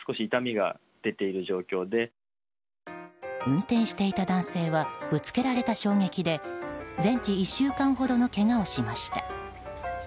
運転していた男性はぶつけられた衝撃で全治１週間ほどのけがをしました。